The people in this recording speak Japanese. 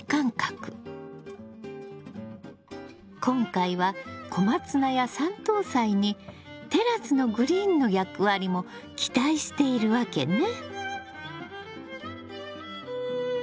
今回はコマツナやサントウサイにテラスのグリーンの役割も期待しているわけね。